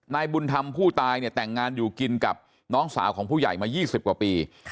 นายบุญธรรมผู้ตายเนี่ยแต่งงานอยู่กินกับน้องสาวของผู้ใหญ่มา๒๐กว่าปี